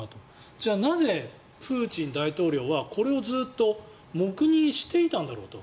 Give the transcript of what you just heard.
じゃあ、なぜプーチン大統領はこれをずっと黙認していたんだろうと。